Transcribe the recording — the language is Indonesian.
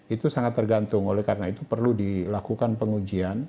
itu sangat tergantung oleh karena itu perlu dilakukan pengujian